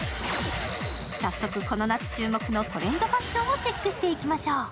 早速この夏注目のトレンドファッションをチェックしましょう。